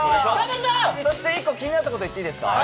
１個気になったこと言っていいですか？